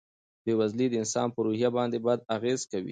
بېوزلي د انسان په روحیه باندې بد اغېز کوي.